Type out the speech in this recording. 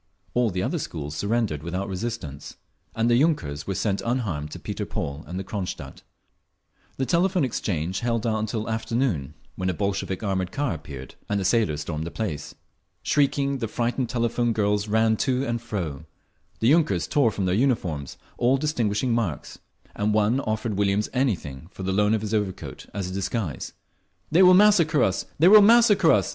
All the other schools surrendered without resistance, and the yunkers were sent unharmed to Peter Paul and Cronstadt…. The Telephone Exchange held out until afternoon, when a Bolshevik armoured car appeared, and the sailors stormed the place. Shrieking, the frightened telephone girls ran to and fro; the yunkers tore from their uniforms all distinguishing marks, and one offered Williams anything for the loan of his overcoat, as a disguise…. "They will massacre us! They will massacre us!"